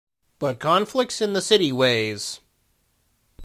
But conflicts in the city ways!